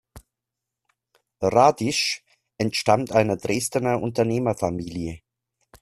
Radisch entstammt einer Dresdener Unternehmerfamilie.